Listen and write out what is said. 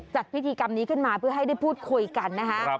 จัดพิธีกรรมนี้ขึ้นมาเพื่อให้ได้พูดคุยกันนะฮะ